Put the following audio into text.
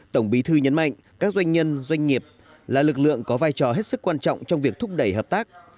tổng bí thư nhấn mạnh các doanh nhân doanh nghiệp là lực lượng có vai trò hết sức quan trọng trong việc thúc đẩy hợp tác